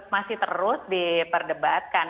masih terus diperdebatkan